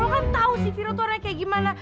lo kan tau si biro tuh orangnya kayak gimana